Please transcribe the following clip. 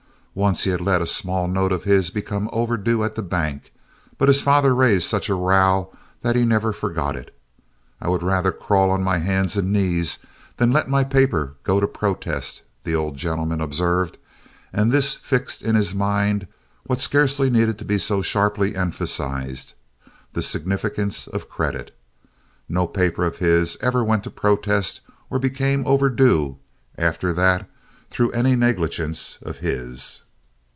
Once he had let a small note of his become overdue at the bank, but his father raised such a row that he never forgot it. "I would rather crawl on my hands and knees than let my paper go to protest," the old gentleman observed; and this fixed in his mind what scarcely needed to be so sharply emphasized—the significance of credit. No paper of his ever went to protest or became overdue after that through any negligence of his.